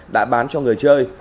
đã bán cho người chơi